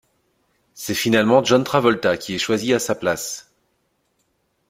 C'est finalement John Travolta qui est choisi à sa place.